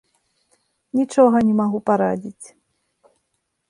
Нічога не магу парадзіць!